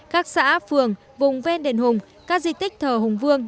các xã phường vùng ven đền hùng các di tích thờ hùng vương